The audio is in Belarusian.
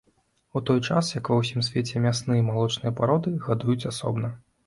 У той час як ва ўсім свеце мясныя і малочныя пароды гадуюць асобна.